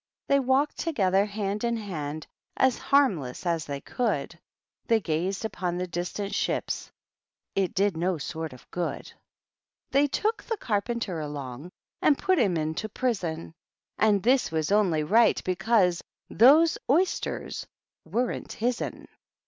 They walked together hand in hand. As harmless as they could; They gazed upon the distant ships: It did no sort of good. THE TWEEDr^BB. They took the Carpenter along And put him into prison ; Aiid thin was only right, because Those oysters weretUt hi£n.